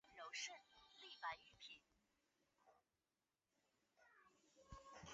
施泰尔马克地区施特拉斯是奥地利施蒂利亚州莱布尼茨县的一个市镇。